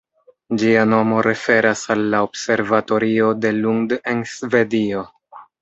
Ĝia nomo referas al la Observatorio de Lund en Svedio.